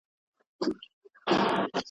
ماشوم په زوره چیغې وهلې.